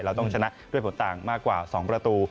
เราต้องชนะด้วยผลต่างมากกว่า๒ประตู